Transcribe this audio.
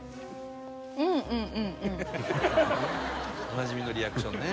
おなじみのリアクションね。